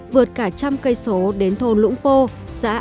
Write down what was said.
vượt cả trăm cây số đến thôn lũng pô xã a mũi